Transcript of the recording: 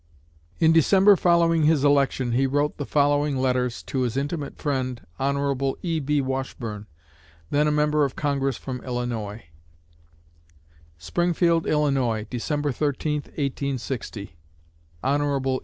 In December following his election he wrote the following letters to his intimate friend, Hon. E.B. Washburne, then a member of Congress from Illinois: SPRINGFIELD, ILL., Dec. 13, 1860. HON.